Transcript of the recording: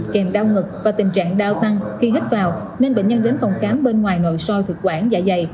kèm đau ngực và tình trạng đau tăng khi hít vào nên bệnh nhân đến phòng khám bên ngoài ngộ soi thực quản dạ dày